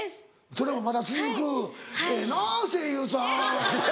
それもまだ続くええな声優さん。